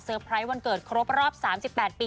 ไพรส์วันเกิดครบรอบ๓๘ปี